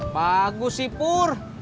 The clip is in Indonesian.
bagus sih pur